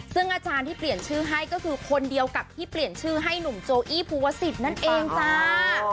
ซึ่งอาจารย์ที่เปลี่ยนชื่อให้ก็คือคนเดียวกับที่เปลี่ยนชื่อให้หนุ่มโจอี้ภูวศิษย์นั่นเองจ้า